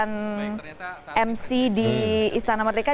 yang ternyata mc di istana merdeka